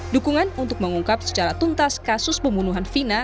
dukungan untuk mengungkap secara tuntas kasus pembunuhan vina